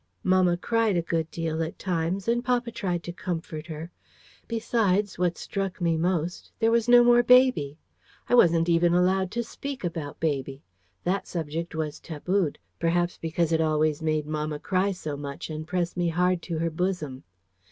Mamma cried a good deal at times, and papa tried to comfort her. Besides, what struck me most, there was no more baby. I wasn't even allowed to speak about baby. That subject was tabooed perhaps because it always made mamma cry so much, and press me hard to her bosom.